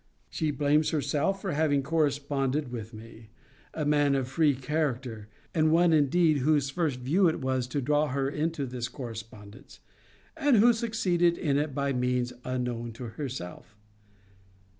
She blames herself for having corresponded with me, a man of free character; and one indeed whose first view it was to draw her into this correspondence; and who succeeded in it by means unknown to herself.